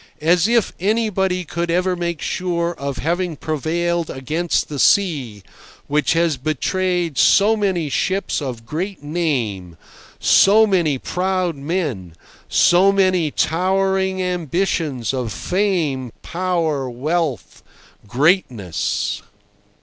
As if anybody could ever make sure of having prevailed against the sea, which has betrayed so many ships of great "name," so many proud men, so many towering ambitions of fame, power, wealth, greatness!